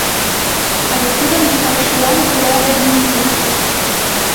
А вет тудын титакшылан кӧра лийын ыльыс.